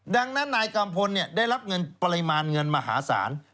ดังนั้นนายกัมพลได้รับเงินปริมาณเงินมหาศาล